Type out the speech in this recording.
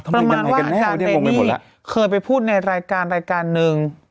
แฟนเพจของเขานะฮะประมาณว่าอาจารย์เรนนี่เคยไปพูดในรายการรายการนึง